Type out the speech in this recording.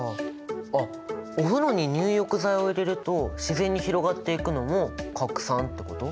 あっお風呂に入浴剤を入れると自然に広がっていくのも拡散ってこと！？